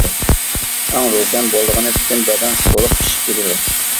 ئەڭ روشەن بولىدىغىنى، پۈتۈن بەدەن سۇلۇق ئىششىپ كېتىدۇ.